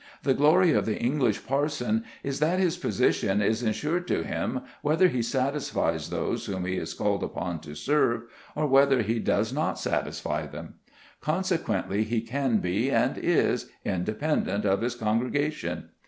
The glory of the English parson is that his position is ensured to him whether he satisfies those whom he is called upon to serve, or whether he does not satisfy them. Consequently he can be, and is, independent of his congregation.